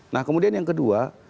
nah kemudian yang kedua